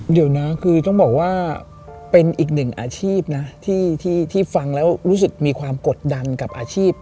เดี๋ยวนะคือต้องบอกว่าเป็นอีกหนึ่งอาชีพนะที่ฟังแล้วรู้สึกมีความกดดันกับอาชีพ